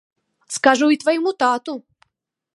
Скажу і твайму тату!